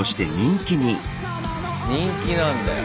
人気なんだよ。